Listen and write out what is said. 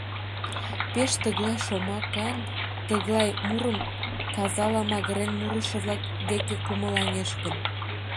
Пеш тыглай шомакан, тыглай мурым казала магырен мурышо-влак деке кумылаҥеш гын.